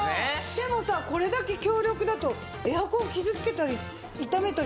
でもさこれだけ強力だとエアコン傷つけたり傷めたりしないんですか？